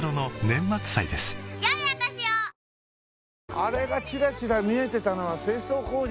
あれがチラチラ見えてたのは清掃工場。